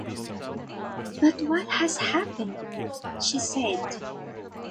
“But what has happened?” she said.